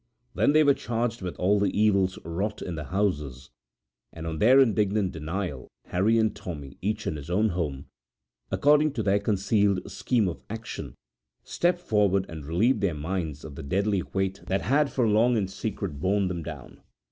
Then they were charged with all the evils wrought in the houses, and on their indignant denial Harry and Tommy, each in his own home, according to their concerted scheme of action, stepped forward and relieved their minds of the deadly weight that had for long in secret borne them down.